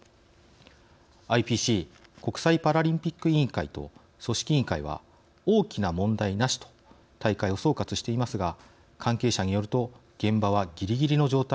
ＩＰＣ＝国際パラリンピック委員会と組織委員会は大きな問題なしと大会を総括していますが関係者によると現場はぎりぎりの状態。